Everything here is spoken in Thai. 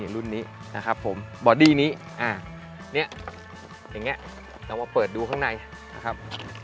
รุ่นนี้นะครับผมบัดดีนี่อ่ะเนี้ยยังไงแล้วเปิดต้นไฟข้างในนะครับ